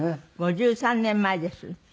５３年前です。